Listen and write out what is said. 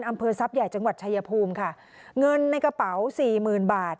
อำเภอทรัพย์ใหญ่จังหวัดชายภูมิค่ะเงินในกระเป๋าสี่หมื่นบาท